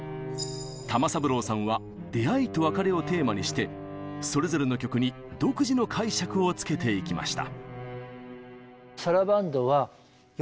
玉三郎さんは「出会いと別れ」をテーマにしてそれぞれの曲に独自の解釈をつけていきました。